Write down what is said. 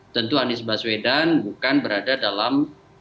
tentu anies baswedan bukan berada dalam